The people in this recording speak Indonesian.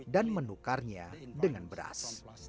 dan menukarnya dengan beras